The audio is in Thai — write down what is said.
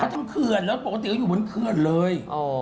เขาจังเคือนแล้วปกติเขาอยู่บนเคือนเลย